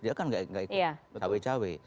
dia kan nggak ikut cawe cawe